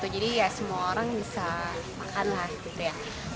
jadi ya semua orang bisa makan lah gitu ya